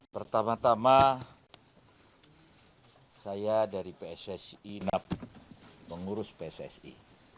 pertama tama saya dari pssi nap mengurus pssi